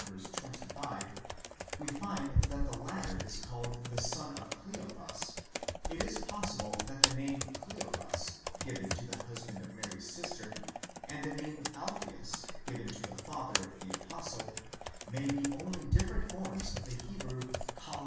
25, we find that the latter is called the son of Cleophas, it is possible that the name Κλωπᾶς (Cleophas) given to the hus band of Mary's sister, and the name ᾿Αλφαῖος (Alpheus) given to the father of the apostle, may be only different forms of the Hebrew 'D2.